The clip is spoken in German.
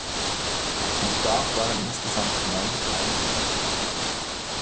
Am Start waren insgesamt neun Teilnehmer.